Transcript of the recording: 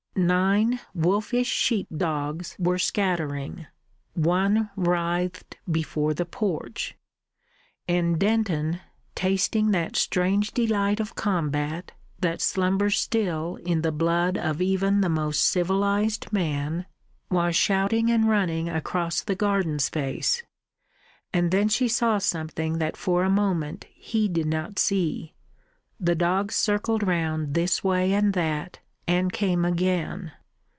Nine wolfish sheep dogs were scattering, one writhed before the porch; and Denton, tasting that strange delight of combat that slumbers still in the blood of even the most civilised man, was shouting and running across the garden space. And then she saw something that for a moment he did not see. The dogs circled round this way and that, and came again.